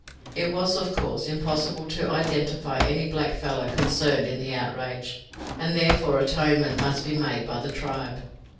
It was, of course, impossible to identify any blackfellow concerned in the outrage, and therefore atonement must be made by the tribe.